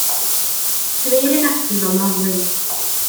Cyfeirir ati fel morwyn.